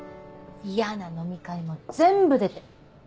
嫌な飲み会も全部出て。